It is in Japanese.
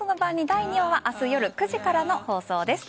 第２話は明日夜９時からの放送です。